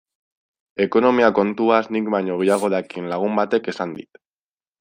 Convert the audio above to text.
Ekonomia kontuaz nik baino gehiago dakien lagun batek esan dit.